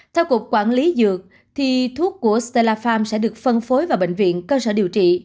theo cuộc quản lý dược thì thuốc của stella farm sẽ được phân phối vào bệnh viện cơ sở điều trị